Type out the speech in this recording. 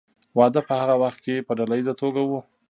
واده په هغه وخت کې په ډله ایزه توګه و.